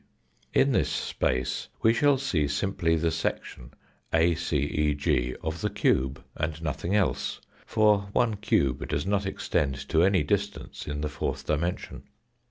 In this space we shall see simply the section ACEG of the cube, and nothing else, for one cube does not extend to any distance in the fourth dimension.